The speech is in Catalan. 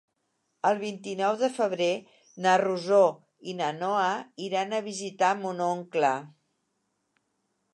El vint-i-nou de febrer na Rosó i na Noa iran a visitar mon oncle.